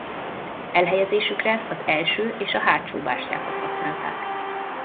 Elhelyezésükre az első- és a hátsó bástyákat használták.